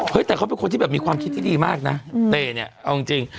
แต่เขาเป็นคนที่แบบมีความคิดที่ดีมากนะเต้เนี่ยเอาจริง